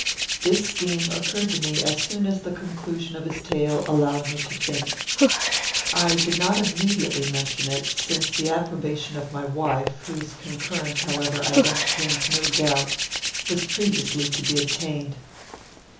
This scheme occurred to me as soon as the conclusion of his tale allowed me to think. I did not immediately mention it, since the approbation of my wife, of whose concurrence, however, I entertained no doubt, was previously to be obtained.